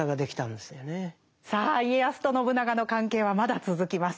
さあ家康と信長の関係はまだ続きます。